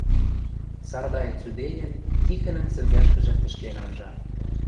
Сардай, цӱдеен, Тихӹнӹн сӹнзӓшкӹжӹ тӹшлен анжа.